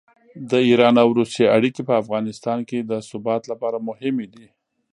د ایران او روسیې اړیکې په افغانستان کې د ثبات لپاره مهمې دي.